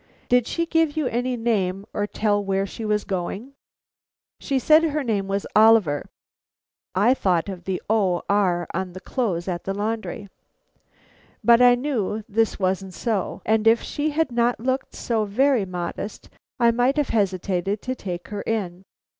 Did she give you any name, or tell where she was going?" "She said her name was Oliver." (I thought of the O. R. on the clothes at the laundry.) "But I knew this wasn't so; and if she had not looked so very modest, I might have hesitated to take her in.